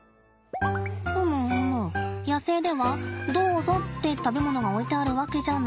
ふむふむ野生ではどうぞって食べ物が置いてあるわけじゃない。